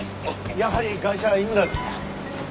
やはりガイシャは井村でした。